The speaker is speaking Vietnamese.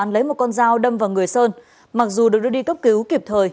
lấy một con dao đâm vào người sơn mặc dù được đưa đi cấp cứu kịp thời